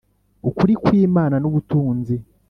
Ukuri kw'Imana n'ubutunzi.